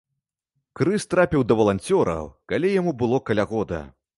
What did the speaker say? Крыс трапіў да валанцёраў калі яму было каля года.